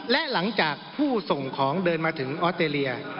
และหลังจากผู้ส่งของเดินมาถึงออสเตรเลีย